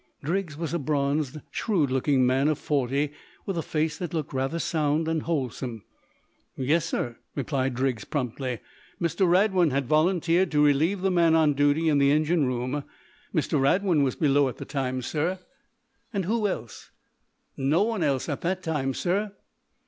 Driggs was a bronzed, shrewd looking man of forty, with a face that looked rather sound and wholesome. "Yes, sir," replied Driggs, promptly. "Mr. Radwin had volunteered to relieve the man on duty in the engine room. Mr. Radwin was below at the time, sir." "And who else?" "No one else at that time, sir."